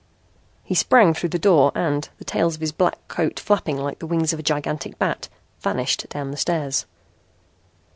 He sprang through the door and, the tails of his black coat flapping like the wings of a gigantic bat, vanished down the stairs.